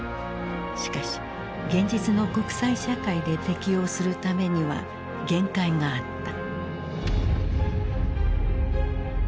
しかし現実の国際社会で適用するためには限界があった。